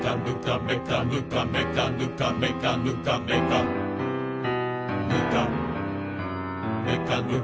「めかぬかめかぬかめかぬかめかぬかめかぬか」